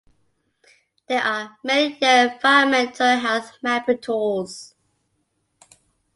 There are many environmental health mapping tools.